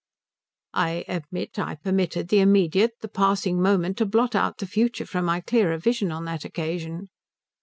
"I admit I permitted the immediate, the passing, moment to blot out the future from my clearer vision on that occasion."